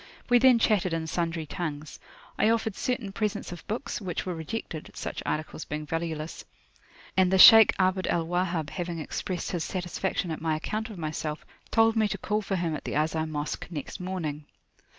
We then chatted in sundry tongues. I offered certain presents of books, which were rejected (such articles being valueless), and the Shaykh Abd al Wahhab having expressed his satisfaction at my account of myself, told me to call for him at the Azhar Mosque next Morning.